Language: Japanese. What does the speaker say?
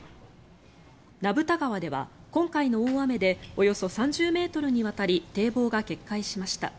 名蓋川では今回の大雨でおよそ３０ｍにわたり堤防が決壊しました。